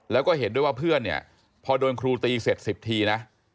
แล้วก็เห็นด้วยว่าเพื่อนเนี่ยพอโดนครูตีเสร็จ๑๐ทีนะ